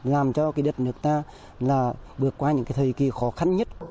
làm cho cái đất nước ta là vượt qua những cái thời kỳ khó khăn nhất